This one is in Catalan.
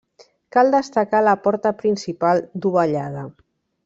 Cal destacar la porta principal dovellada.